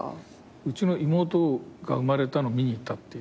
うちの妹が生まれたのを見に行ったっていう。